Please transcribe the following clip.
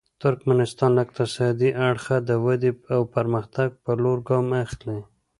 ترکمنستان له اقتصادي اړخه د ودې او پرمختګ په لور ګام اخلي.